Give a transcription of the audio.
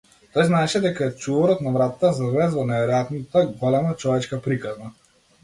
Тој знаеше дека е чуварот на вратата за влез во неверојатната голема човечка приказна.